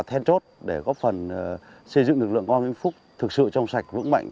then chốt để góp phần xây dựng lực lượng công an vĩnh phúc thực sự trong sạch vững mạnh